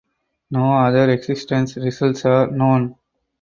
No other existence results are known.